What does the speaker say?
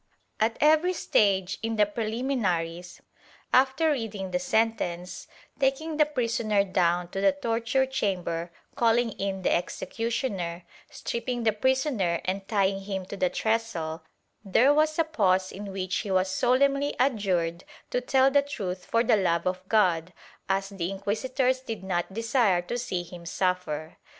* At every stage in the preliminaries, after reading the sentence, taking the prisoner down to the torture chamber, calling in the executioner, stripping the prisoner and tying him to the trestle, there was a pause in which he was solemnly adjured to tell the truth for the love of God, as the inquisitors did not desire to see him suffer.